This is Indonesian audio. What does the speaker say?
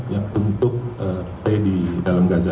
yang untuk stay di dalam gaza